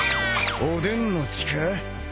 おでんの血か？